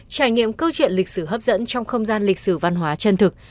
trải nghiệm câu chuyện lịch sử hấp dẫn trong không gian lịch sử văn hóa chân thực